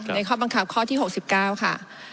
ข้อบังคับข้อที่๖๙ค่ะ